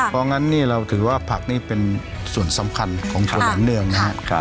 เพราะฉะนั้นเราถือว่าผักนี่เป็นส่วนสำคัญของคนเหมือนเดิมนะครับ